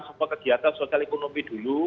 semua kegiatan sosial ekonomi dulu